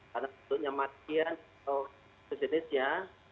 karena tentunya maksian atau sejenisnya